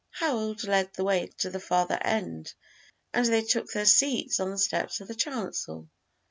Harold led the way to the farther end, and they took their seats on the steps of the chancel.